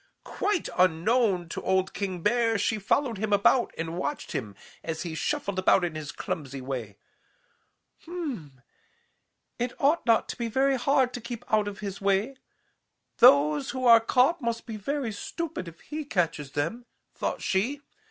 "Quite unknown to old King Bear, she followed him about and watched him as he shuffled about in his clumsy way. 'Hm m, it ought not to be very hard to keep out of his way. Those who are caught must be very stupid if he catches them,' thought she.